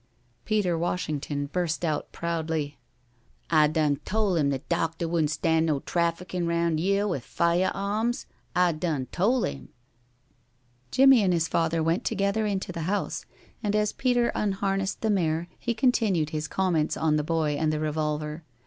Peter Washington burst out proudly: "I done tol' 'im th' docteh wouldn' stan' no traffickin' round yere with fiah awms. I done tol' 'im." Jimmie and his father went together into the house, and as Peter unharnessed the mare he continued his comments on the boy and the revolver.